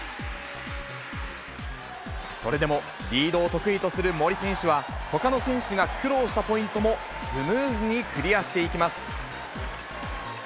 それでもリードを得意とする森選手は、ほかの選手が苦労したポイントもスムーズにクリアしていきます。